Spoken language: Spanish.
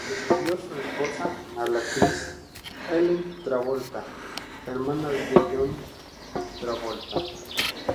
Le sobrevivió su esposa, la actriz Ellen Travolta, hermana mayor de John Travolta.